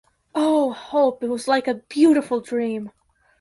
Oh, Hope, it was like a beautiful dream!